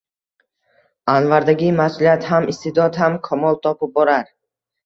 Anvardagi ma’suliyat ham, iste’dod ham kamol topib borar